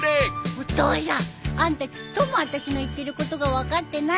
お父さんあんたちっともあたしの言ってることが分かってないね。